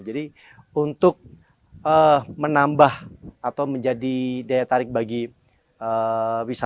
jadi untuk menambah atau menjadi daya tarik bagi wilayah